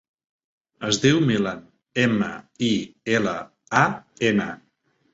Es diu Milan: ema, i, ela, a, ena.